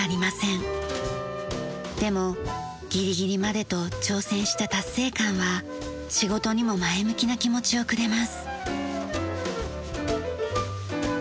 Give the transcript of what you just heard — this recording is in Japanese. でもギリギリまでと挑戦した達成感は仕事にも前向きな気持ちをくれます。